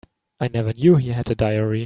I never knew he had a diary.